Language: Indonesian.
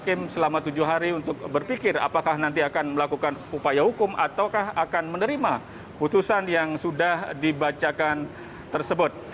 hakim selama tujuh hari untuk berpikir apakah nanti akan melakukan upaya hukum ataukah akan menerima putusan yang sudah dibacakan tersebut